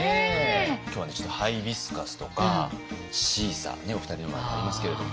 今日はねちょっとハイビスカスとかシーサーねお二人の前にありますけれども。